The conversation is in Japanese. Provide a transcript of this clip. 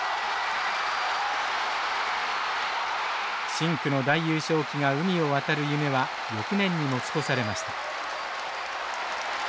深紅の大優勝旗が海を渡る夢は翌年に持ち越されました。